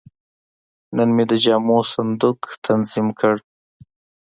نن مې د جامو صندوق تنظیم کړ.